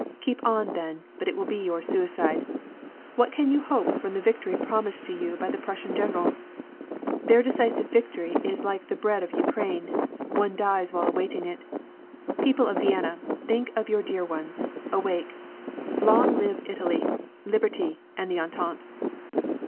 Keep on, then, but it will be your suicide. What can you hope from the victory promised to you by the Prussian generals? Their decisive victory is like the bread of the Ukraine, one dies while awaiting it. People of Vienna, think of your dear ones, awake! Long live Italy, Liberty and the Entente!